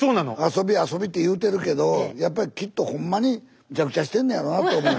遊び遊びって言うてるけどやっぱりきっとほんまにむちゃくちゃしてんねんやろなと思う。